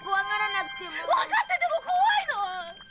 わかってても怖いの！